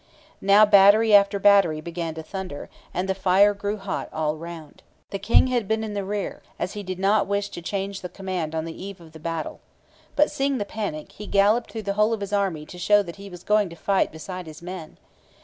Now battery after battery began to thunder, and the fire grew hot all round. The king had been in the rear, as he did not wish to change the command on the eve of the battle. But, seeing the panic, he galloped through the whole of his army to show that he was going to fight beside his men.